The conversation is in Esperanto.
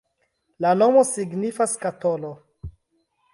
La nomo signifas skatolo.